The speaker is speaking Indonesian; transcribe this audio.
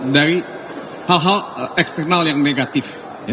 dari hal hal eksternal yang negatif